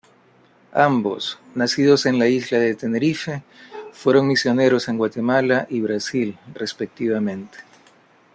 Ambos, nacidos en la isla de Tenerife, fueron misioneros en Guatemala y Brasil respectivamente.